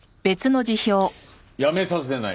辞めさせない。